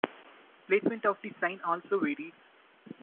Placement of the sign also varies.